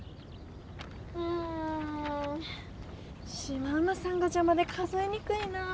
うんシマウマさんがじゃまで数えにくいなぁ。